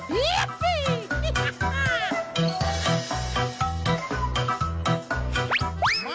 เย้ฟี่ฮิฮ่าฮ่า